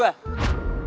sedih banget deh